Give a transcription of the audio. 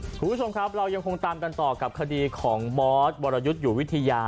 คุณผู้ชมครับเรายังคงตามกันต่อกับคดีของบอสวรยุทธ์อยู่วิทยา